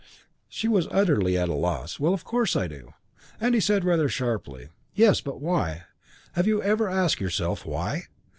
She was utterly at a loss. "Well, of course I do." He said rather sharply, "Yes, but why? Have you ever asked yourself why?